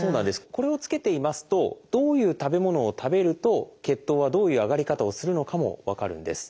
これをつけていますとどういう食べ物を食べると血糖はどういう上がり方をするのかも分かるんです。